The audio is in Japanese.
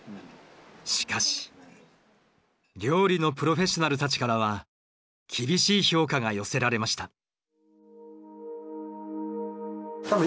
しかし料理のプロフェッショナルたちからは厳しい評価が寄せられました。